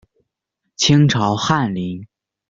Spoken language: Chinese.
清朝翰林。